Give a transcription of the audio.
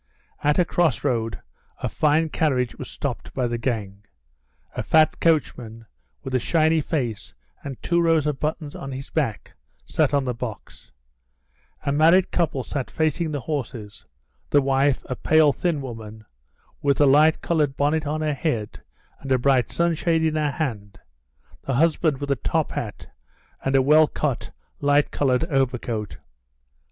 At a cross road a fine carriage was stopped by the gang. A fat coachman, with a shiny face and two rows of buttons on his back, sat on the box; a married couple sat facing the horses, the wife, a pale, thin woman, with a light coloured bonnet on her head and a bright sunshade in her hand, the husband with a top hat and a well cut light coloured overcoat.